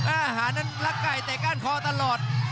อาหารนั้นรักไก่เตะก้านคอตลอด